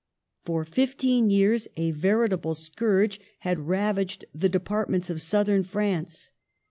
For fifteen years a veritable scourge had rav aged the departments of southern France.